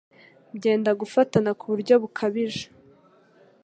byenda gufatana ku buryo bukabije